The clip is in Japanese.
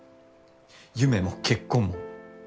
夢も結婚も。